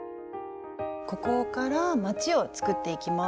ここからまちを作っていきます。